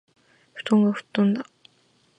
布団が吹っ飛んだ